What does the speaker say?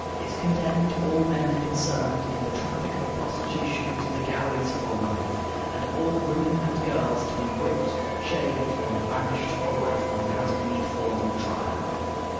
It condemned all men concerned in the "traffic of prostitution" to the galleys for life, and all women and girls to be "whipped, shaved, and banished for life, without any formal trial."